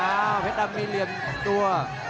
อ้าวเพชรดำมีเหลี่ยนตัว